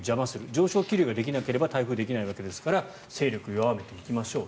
上昇気流ができなければ台風はできないわけですから勢力を弱めていきましょう。